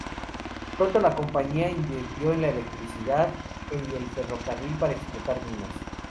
Pronto, la compañía invirtió en la electricidad y el ferrocarril para explotar minas.